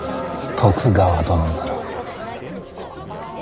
徳川殿なら？